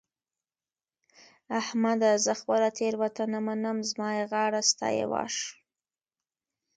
احمده! زه خپله تېرونته منم؛ زما يې غاړه ستا يې واښ.